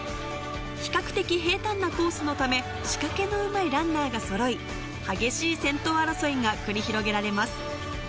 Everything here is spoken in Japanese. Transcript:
比較的平坦なコースのため、仕掛けのうまいランナーがそろい、激しい先頭争いが繰り広げられます。